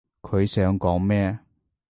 佢想講咩？